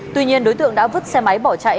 tuy nhiên đối tượng đã vứt xe máy bỏ chạy